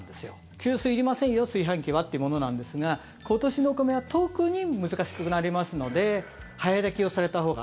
吸水いりませんよ、炊飯器はというものなんですが今年のお米は特に難しくなりますので早炊きをされたほうが。